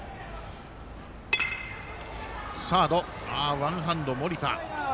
ワンハンド、森田。